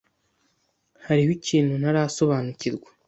Hariho ikintu ntarasobanukirwa.